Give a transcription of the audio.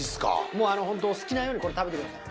もう本当、お好きなように食べてください。